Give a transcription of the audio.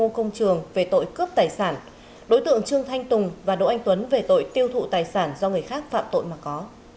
công trường về tội cướp tài sản đối tượng trương thanh tùng và đỗ anh tuấn về tội tiêu thụ tài sản do người khác phạm tội mà có